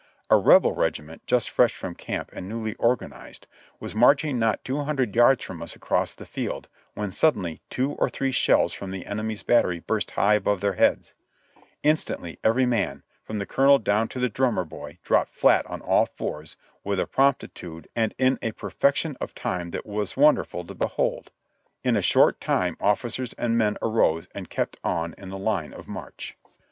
A Rebel regiment, just fresh from camp and newly organized, was marching not two hundred 3^ards from us across the field, when suddenly two or three shells from the enemy's battery burst high above their heads; instantly every man, from the colonel down to the drummer lx)y, dropped flat on all fours with a promptitude and in a perfection of time that was wonder ful to behold. In a short time officers and men arose and kept on in the line of march.